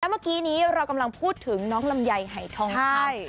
แล้วเมื่อกี้นี้เรากำลังพูดถึงน้องลำยายไหยทองคำใช่